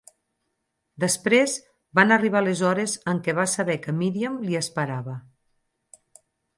Després van arribar les hores en què va saber que Miriam li esperava.